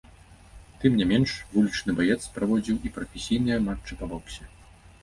Тым не менш, вулічны баец праводзіў і прафесійныя матчы па боксе.